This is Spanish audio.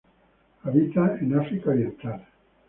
Habita en África Oriental.